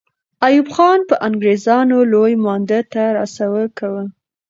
ایوب خان به انګریزان لوی مانده ته را سوه کاوه.